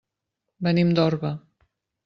Venim d'Orba.